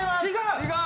違う？